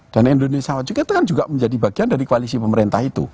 dan indonesia maju itu kan juga menjadi bagian dari koalisi pemerintah itu